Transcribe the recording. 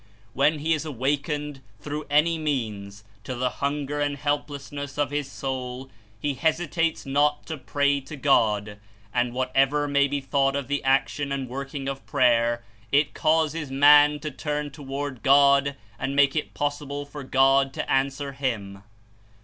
When he is awakened through any means to the hunger and help lessness of his soul, he hesitates not to pray to God, and, whatever may be thought of the action and working of prayer, it causes man to turn toward God and make it possible for God to answer him.